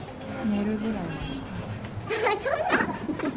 寝るぐらいまで。